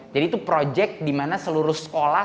jadi itu project dimana seluruh sekolah